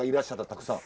たくさん。